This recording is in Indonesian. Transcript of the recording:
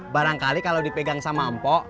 barangkali kalau dipegang sama mpok